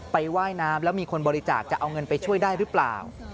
ว่ายน้ำแล้วมีคนบริจาคจะเอาเงินไปช่วยได้หรือเปล่า